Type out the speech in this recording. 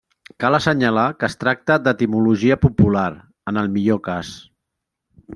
Cal assenyalar que es tracta d'etimologia popular, en el millor cas.